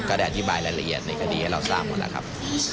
ได้อธิบายรายละเอียดในคดีให้เราทราบหมดแล้วครับ